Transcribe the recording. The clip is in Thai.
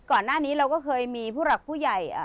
ก่อนหน้านี้เราก็เคยมีผู้หลักผู้ใหญ่